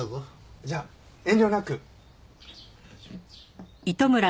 じゃあ遠慮なく。